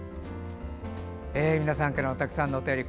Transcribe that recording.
皆さんからのたくさんのお便り